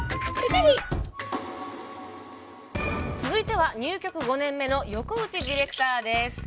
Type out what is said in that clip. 続いては入局５年目の横内ディレクターです。